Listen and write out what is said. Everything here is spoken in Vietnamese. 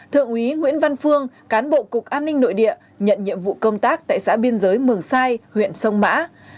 thượng úy nguyễn văn phương cán bộ cục an ninh nội địa nhận nhiệm vụ công tác tại xã biên giới mường sai huyện sông mã